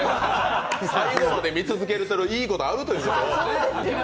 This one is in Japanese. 最後まで見続けるといいことあるということを。